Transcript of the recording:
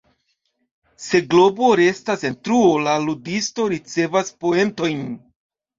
Se globo restas en truo, la ludisto ricevas poentojn.